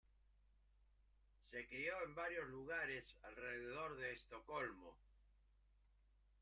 Se crio en varios lugares alrededor de Estocolmo.